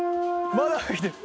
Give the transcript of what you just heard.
まだ吹いてる。）